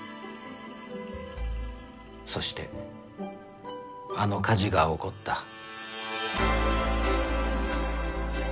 そしてあの火事が起こった。